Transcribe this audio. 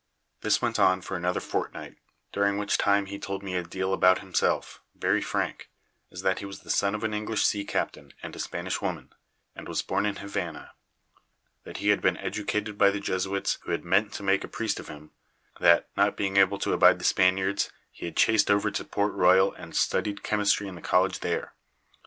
"This went on for another fortnight, during which time he told me a deal about himself, very frank as that he was the son of an English sea captain and a Spanish woman, and was born in Havana; that he had been educated by the Jesuits, who had meant to make a priest of him; that, not being able to abide the Spaniards, he had chased over to Port Royal and studied chemistry in the college there.